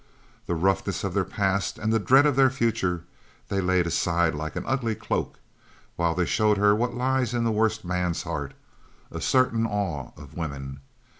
The roughness of their past and the dread of their future they laid aside like an ugly cloak while they showed her what lies in the worst man's heart a certain awe of woman.